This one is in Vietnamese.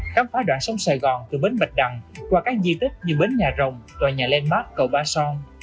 khám phá đoạn sông sài gòn từ bến bạch đằng qua các di tích như bến nhà rồng tòa nhà landmark cầu ba son